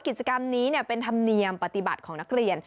กิจกรรมนี้เป็นธรรมเนียมปฏิบัติของนักเรียน